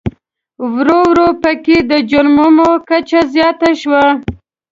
ورو ورو په کې د جرمومو کچه زیاته شوه.